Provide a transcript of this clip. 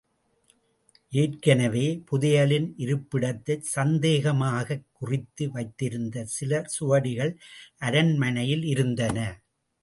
ஏற்கனவே புதையலின் இருப்பிடத்தைச் சந்தேகமாகக் குறித்து வைத்திருந்த சில சுவடிகள் அரண்மனையில் இருந்தன.